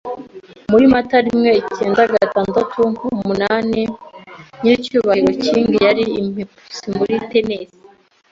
Muri Mata rimweicyendagatandatuumunani, nyiricyubahiro King yari i Memphis, muri Tennesse.